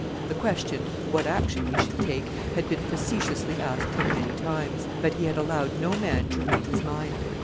The question, what action he should take, had been facetiously asked him many times; but he had allowed no man to read his mind.